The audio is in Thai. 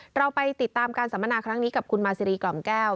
เราไปติดตามการสัมมนาครั้งนี้กับคุณมาซีรีกล่อมแก้ว